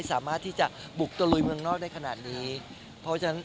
สามารถที่จะบุกตะลุยเมืองนอกได้ขนาดนี้เพราะฉะนั้น